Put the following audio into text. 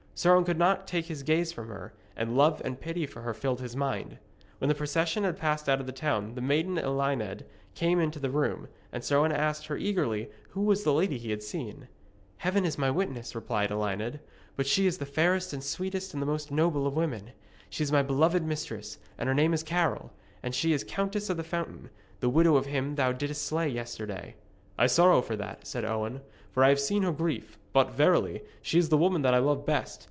Sir Owen could not take his gaze from her, and love and pity for her filled his mind. When the procession had passed out of the town the maiden Elined came into the room, and Sir Owen asked her eagerly who was the lady he had seen. 'Heaven is my witness,' replied Elined, 'but she is the fairest and the sweetest and the most noble of women. She is my beloved mistress, and her name is Carol, and she is Countess of the Fountain, the widow of him thou didst slay yesterday.' 'I sorrow for that,' said Owen, 'for I have seen her grief. But, verily, she is the woman that I love best.